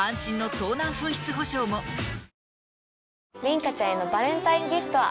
琳加ちゃんへのバレンタインギフトは。